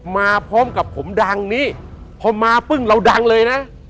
มาพร้อมกับผมดังนี้พอมาปึ้งเราดังเลยนะ